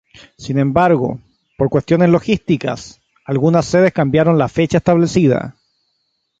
Sin embargo, por cuestiones logísticas, algunas sedes cambiaron la fecha establecida.